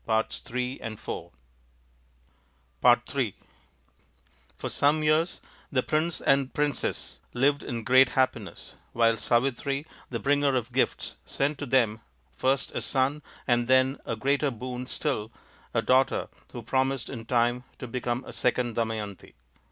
126 THE INDIAN STORY BOOK m For some years the prince and princess lived in great happiness, while Savitri, the Bringer of Gifts, sent to them first a son and then, a greater boon still, a daughter who promised in time to become a second Damayanti.